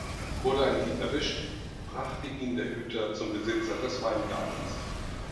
Wurde ein Dieb erwischt, brachte ihn der Hüter zum Besitzer des Weingartens.